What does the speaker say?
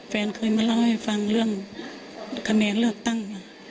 เคยมาเล่าให้ฟังเรื่องคะแนนเลือกตั้ง